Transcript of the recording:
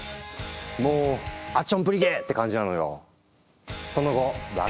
もう「アッチョンブリケ！」って感じなのよ。